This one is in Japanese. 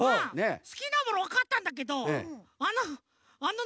すきなものわかったんだけどあのなにをなにあれ？